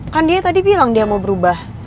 kan dia tadi bilang dia mau berubah